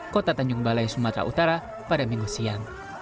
kota tanjung balai sumatera utara pada minggu siang